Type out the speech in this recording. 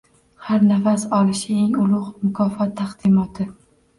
Har nafas olishi eng ulug’ mukofot taqdimoti